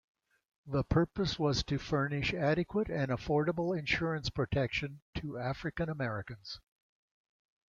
The purpose was to furnish adequate and affordable insurance protection to African-Americans.